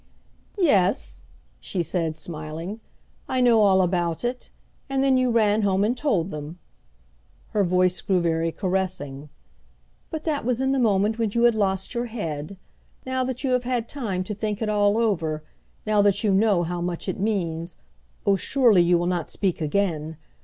"Yes," she said, smiling, "I know all about it. And then you ran home and told them." Her voice grew very caressing. "But that was in the moment when you had lost your head. Now that you have had time to think it all over, now that you know how much it means oh, surely, you will not speak again!